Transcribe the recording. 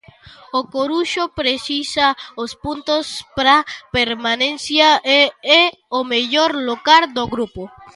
O Coruxo precisa os puntos pra permanencia e é o mellor local do grupo.